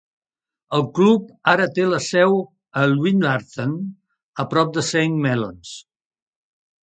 El club ara té la seu a Llwynarthen, a prop de Saint Mellons.